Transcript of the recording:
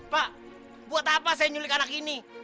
pak buat apa saya nyulik anak ini